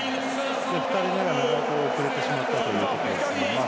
２人目が遅れてしまったということで。